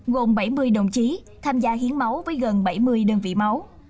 gồm bảy mươi đồng chí tham gia hiến máu với gần bảy mươi đơn vị máu